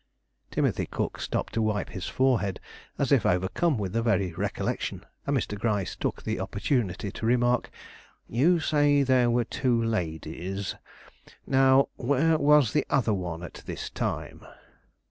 Timothy Cook stopped to wipe his forehead, as if overcome with the very recollection, and Mr. Gryce took the opportunity to remark: "You say there were two ladies; now where was the other one at this time?"